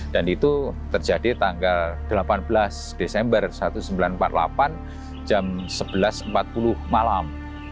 dan itu terjadi tanggal delapan belas desember seribu sembilan ratus empat puluh delapan jam sebelas empat puluh malam